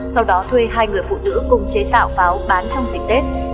sau đó thuê hai người phụ nữ cùng chế tạo pháo bán trong dịp tết